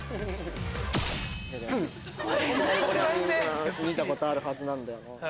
みんな見たことあるはずなんだよな。